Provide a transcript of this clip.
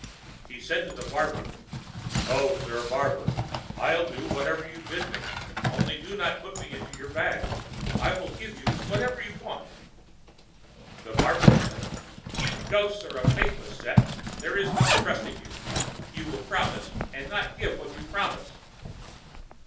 He said to the barber, "O, sir barber, I'll do whatever you bid me, only do not put me into your bag. I'll give you whatever you want." The barber said, "You ghosts are a faithless set, there is no trusting you. You will promise, and not give what you promise."